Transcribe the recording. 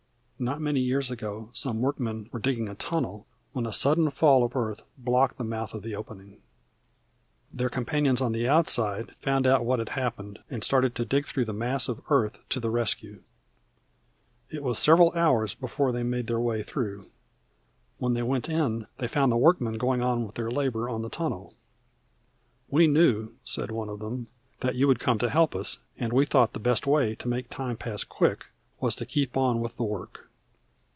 Not many years ago some workmen were digging a tunnel, when a sudden fall of earth blocked the mouth of the opening. Their companions on the outside found out what had happened, and started to dig through the mass of earth to the rescue. It was several hours before they made their way through. When they went in they found the workmen going on with their labour on the tunnel. "We knew," said one of them, "that you'd come to help us, and we thought the best way to make time pass quick was to keep on with the work."